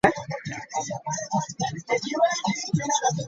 Zino ziri ekkalamu mmeka .